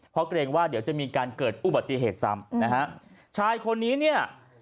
เพราะเกรงว่าเดี๋ยวจะมีการเกิดอุบัติเหตุซ้ำนะฮะชายคนนี้เนี่ย